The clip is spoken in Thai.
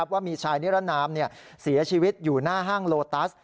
ว่ามีชายนิรนามเสียชีวิตอยู่หน้าห้างโลตัส